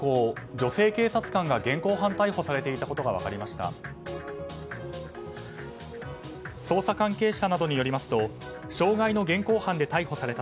女性警察官が現行犯逮捕されていたことが分かりました。